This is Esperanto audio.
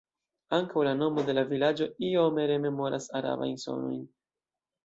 Ankaŭ la nomo de la vilaĝo iome rememoras arabajn sonojn.